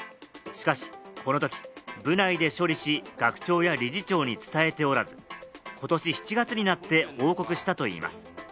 しかしこのとき、部内で処理し、学長や理事長に伝えておらず、ことし７月になって報告したといいます。